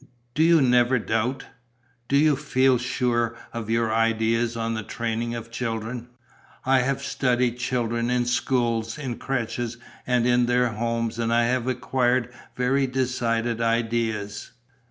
"Do you never doubt? Do you feel sure of your ideas on the training of children?" "I have studied children in schools, in crèches and in their homes and I have acquired very decided ideas.